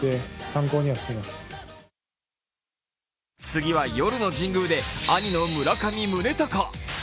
次は夜の神宮で、兄の村上宗隆。